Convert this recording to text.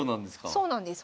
そうなんです。